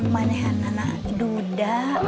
maneh aneh anak duda